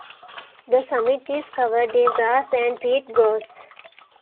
The summit is covered in grass and peat groughs.